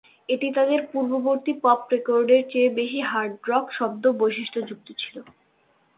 এটি তাদের পূর্ববর্তী পপ রেকর্ডের চেয়ে বেশি হার্ড রক শব্দ বৈশিষ্ট্যযুক্ত ছিল।